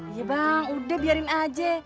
ya bang udah biarin aja